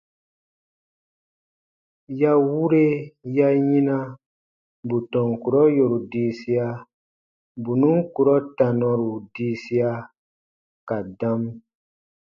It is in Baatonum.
Ya wure ya yina bù tɔn kurɔ yòru diisia, bù nùn kurɔ tanaru diisia ka dam.